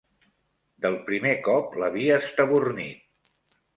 Del primer cop l'havia estabornit.